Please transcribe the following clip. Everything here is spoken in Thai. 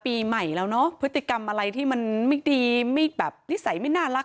ปีใหม่แล้วเนอะพฤติกรรมอะไรที่มันไม่ดีไม่แบบนิสัยไม่น่ารัก